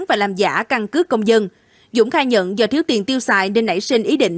và làm giả căn cứ công dân dũng khai nhận do thiếu tiền tiêu xài nên nảy sinh ý định